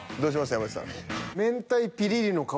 山内さん。